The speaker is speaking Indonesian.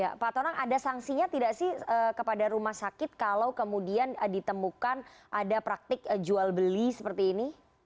ya pak tonang ada sanksinya tidak sih kepada rumah sakit kalau kemudian ditemukan ada praktik jual beli seperti ini